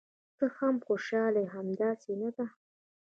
ته هم خوشاله یې، همداسې نه ده؟